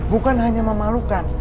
bukan hanya memalukan